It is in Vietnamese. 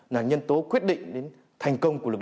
là nhân tố quyết định đến thành công của lực lượng